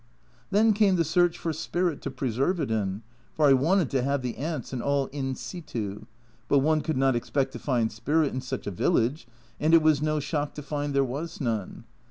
Then came the search for spirit to preserve it in, for I wanted to have the ants and all in situ ; but one could not expect to find spirit in such a village, and it was no shock to find there was none.